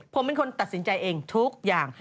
ผมเป็นคนตัดสินใจเองทุกอย่าง